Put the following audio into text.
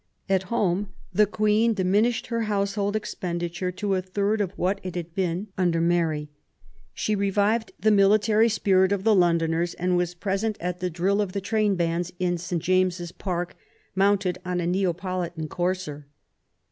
At home, the Queen diminished her household expenditure to a third of what it had been under Mary. She revived the military spirit of the Londoners and was present at the. drill of the train bands in St. James's Park, mounted on a Neapolitan courser.